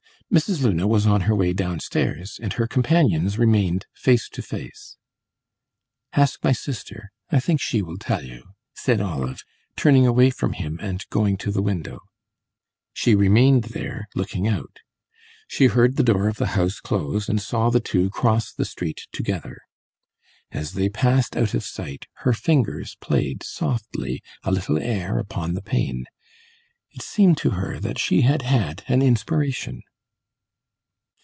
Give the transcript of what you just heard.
Mrs. Luna was on her way downstairs, and her companions remained face to face. "Ask my sister I think she will tell you," said Olive, turning away from him and going to the window. She remained there, looking out; she heard the door of the house close, and saw the two cross the street together. As they passed out of sight her fingers played, softly, a little air upon the pane; it seemed to her that she had had an inspiration.